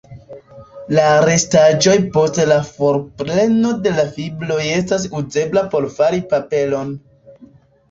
La restaĵoj post la forpreno de la fibroj estas uzebla por fari paperon.